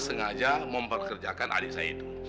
sengaja memperkerjakan adik saya itu